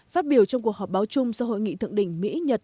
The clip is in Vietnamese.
phát biểu trong cuộc họp báo chung sau hội nghị thượng đỉnh mỹ nhật